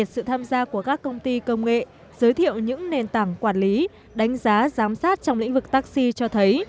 sự tham gia của các công ty công nghệ giới thiệu những nền tảng quản lý đánh giá giám sát trong lĩnh vực taxi cho thấy